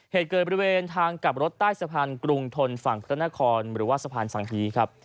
เหตุเกิดบริเวณทางกลับรถใต้สะพานกรุงทนฝั่งพระนครหรือว่าสะพานสังฮีครับ